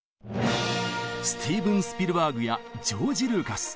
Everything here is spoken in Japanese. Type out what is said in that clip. スティーブン・スピルバーグやジョージ・ルーカス。